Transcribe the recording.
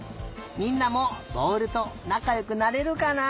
みんなもぼおるとなかよくなれるかな？